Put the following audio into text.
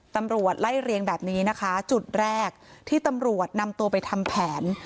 ตำรวจไล่เรียงแบบนี้นะคะจุดแรกที่ตำรวจนำตัวไปทำแผน